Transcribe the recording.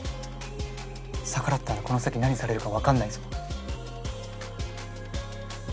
逆らったらこの先何されるか分かんないぞ。